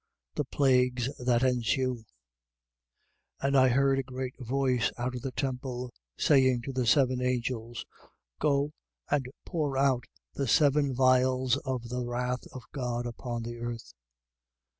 The plagues that ensue. 16:1. And I heard a great voice out of the temple, saying to the seven angels: Go and pour out the seven vials of the wrath of God upon the earth.